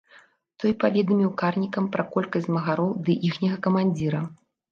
Той паведаміў карнікам пра колькасць змагароў ды іхняга камандзіра.